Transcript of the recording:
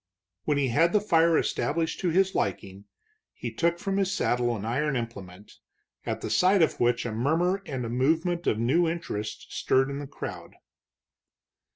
When he had the fire established to his liking, he took from his saddle an iron implement, at the sight of which a murmur and a movement of new interest stirred the crowd.